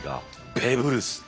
ベーブ・ルース！